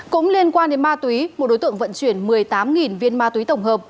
cũng liên quan đến ma tùy một đối tượng vận chuyển một mươi tám viên ma tùy tổng hợp